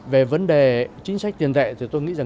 về vấn đề chính sách tiền tệ thì tôi nghĩ rằng